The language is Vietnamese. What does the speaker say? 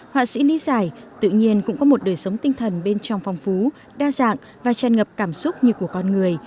họa sĩ lý giải tự nhiên cũng có một đời sống tinh thần bên trong phong phú đa dạng và tràn ngập cảm xúc như của con người